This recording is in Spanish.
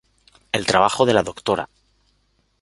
El trabajo de la Dra.